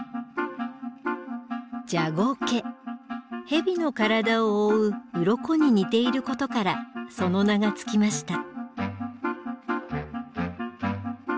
ヘビの体を覆ううろこに似ていることからその名が付きました。